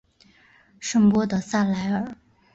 圣波德萨莱尔。